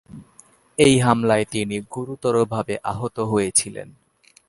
এই হামলায় তিনি গুরুতরভাবে আহত হয়েছিলেন।